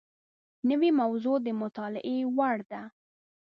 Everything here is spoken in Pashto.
نوې موضوع د مطالعې وړ ده